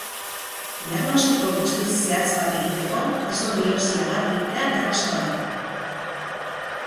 Diagnostiko guztiz zehatz bat egiteko hezur-biopsia bat egitea beharrezkoa da.